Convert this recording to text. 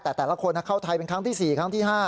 แต่แต่ละคนเข้าไทยเป็นครั้งที่๔ครั้งที่๕